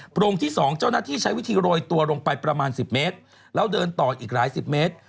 โรงที่๒เจ้าหน้าที่ใช้วิธีโรยตัวลงไปประมาณ๑๐เมตรแล้วเดินต่ออีกหลายสิบเมตร